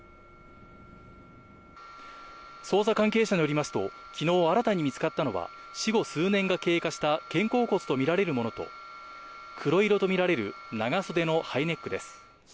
捜査関係者によりますと、きのう、新たに見つかったのは死後数年が経過した肩甲骨と見られるものと、黒色と見られる長袖のハイネックです。